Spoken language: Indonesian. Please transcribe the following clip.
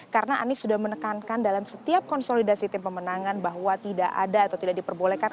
karena andi sudah menekankan dalam setiap konsolidasi tim pemenangan bahwa tidak ada atau tidak diperbolehkan